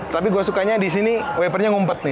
tapi gue sukanya disini wipernya ngumpet nih